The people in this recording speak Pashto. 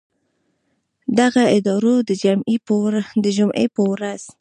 دغه ادارو د جمعې په ورځ